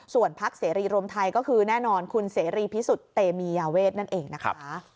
ส่วนพักเสรีรวมไทยก็คือแน่นอนคุณเสรีพิสุทธิเตมียาเวทนั่นเองนะคะ